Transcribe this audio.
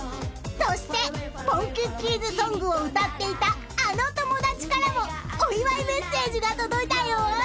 ［そしてポンキッキーズソングを歌っていたあの友達からもお祝いメッセージが届いたよ！］